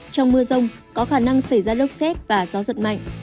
trong mưa rông có khả năng xảy ra lốc xét và gió giật mạnh